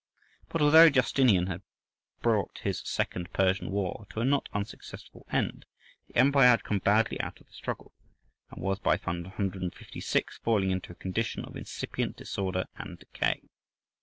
But although Justinian had brought his second Persian war to a not unsuccessful end, the empire had come badly out of the struggle, and was by 556 falling into a condition of incipient disorder and decay.